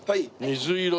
水色。